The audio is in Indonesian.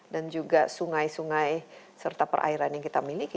dan juga sungai sungai serta perairan yang kita miliki